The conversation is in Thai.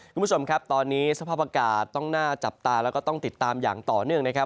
คุณผู้ชมครับตอนนี้สภาพอากาศต้องน่าจับตาแล้วก็ต้องติดตามอย่างต่อเนื่องนะครับ